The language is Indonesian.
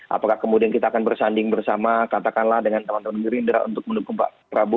apakah kemudian kita akan bersanding bersama katakanlah dengan teman teman gerindra untuk mendukung pak prabowo